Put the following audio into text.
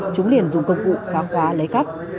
chúng liền dùng công cụ phá khóa lấy cắp